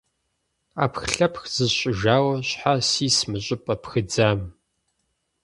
Ӏэпхлъэпх зысщӀыжауэ щхьэ сис мы щӀыпӀэ пхыдзам?